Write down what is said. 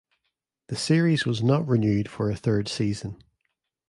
The series was not renewed for a third season.